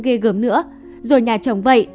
ghê gớm nữa rồi nhà chồng vậy